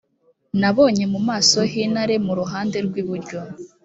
nabonye mu maso h’intare mu ruhande rw’iburyo